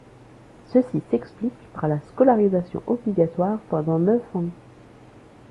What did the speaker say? Ceci s'explique par la scolarisation obligatoire pendant neuf ans.